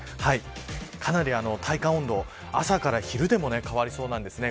かなり体感温度、朝から昼でも変わりそうなんですね。